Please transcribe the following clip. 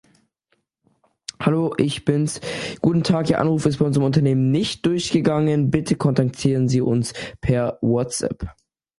In addition antiangiogenic therapy shows promising results.